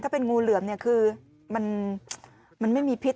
เป็นงูเหลือมเนี่ยคือมันไม่มีพิษ